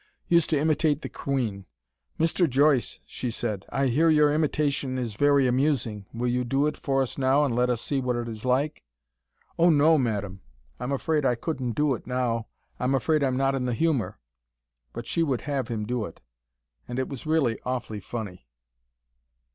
Used to imitate the Queen. 'Mr. Joyce,' she said, 'I hear your imitation is very amusing. Will you do it for us now, and let us see what it is like?' 'Oh, no, Madam! I'm afraid I couldn't do it now. I'm afraid I'm not in the humour.' But she would have him do it. And it was really awfully funny.